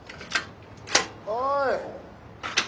おい。